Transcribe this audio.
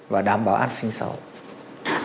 và đảm bảo an sinh xã hội